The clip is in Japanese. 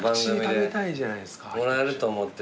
もらえると思って。